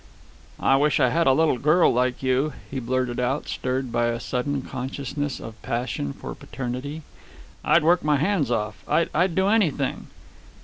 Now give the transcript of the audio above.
"I wish I had a little girl like you," he blurted out, stirred by a sudden consciousness of passion for paternity. "I'd work my hands off. I ... I'd do anything."